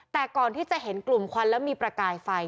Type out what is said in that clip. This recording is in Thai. แต่ก่อนที่จะเห็นกลุ่มควันแล้วมีประกายไฟ